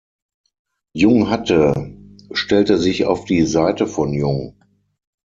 Jung hatte, stellte sich auf die Seite von Jung.